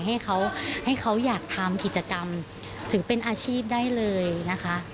ให้เขาให้เขาอยากทำกิจกรรมถึงเป็นอาชีพได้เลยนะคะ